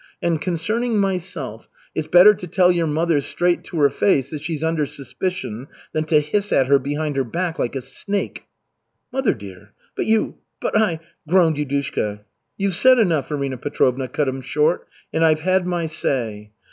And concerning myself it's better to tell your mother straight to her face that she's under suspicion than to hiss at her behind her back like a snake." "Mother dear! But you but I " groaned Yudushka. "You've said enough," Arina Petrovna cut him short. "And I've had my say."